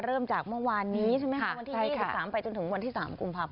เริ่มจากเมื่อวานนี้ใช่ไหมคะวันที่๒๓ไปจนถึงวันที่๓กุมภาพ